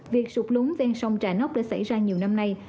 việc sụp lúng ven sông trà nốc đã xảy ra nhiều năm nay